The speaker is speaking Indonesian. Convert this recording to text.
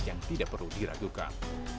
yang tidak perlu diragukan